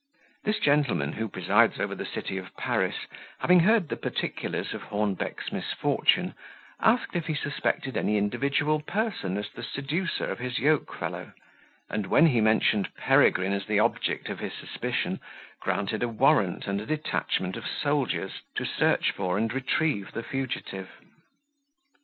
This gentleman, who presides over the city of Paris, having heard the particulars of Hornbeck's misfortune, asked if he suspected any individual person as the seducer of his yoke fellow; and when he mentioned Peregrine as the object of his suspicion, granted a warrant and a detachment of soldiers, to search for and retrieve the fugitive.